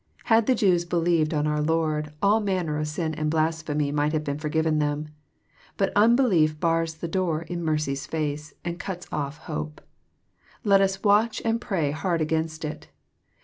Had the Jews believed on our Lord, all manner of sin and blasphemy might have been forgiven them. But unbelief bars the door in mercy's face, and cuts off hope. Let us watch and pray hard against it.